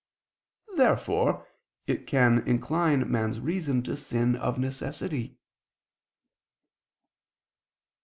Therefore it can incline man's reason to sin of necessity.